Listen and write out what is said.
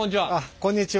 こんにちは。